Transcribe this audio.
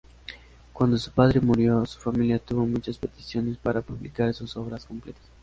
Cuándo su padre murió, su familia tuvo muchas peticiones para publicar sus obras completas.